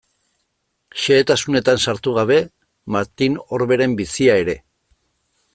Xehetasunetan sartu gabe Martin Orberen bizia ere.